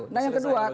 nah yang kedua